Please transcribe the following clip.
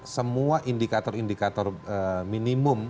semua indikator indikator minimum